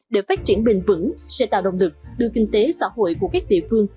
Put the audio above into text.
để phát triển bền vững sẽ tạo động lực đưa kinh tế xã hội của các địa phương